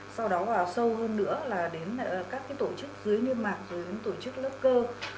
sau đó vào sâu hơn nữa là đến các tổ chức dưới niêm mạc dưới tổ chức lớp cơ